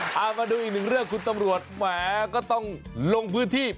เอามาดูอีกหนึ่งเรื่องคุณตำรวจแหมก็ต้องลงพื้นที่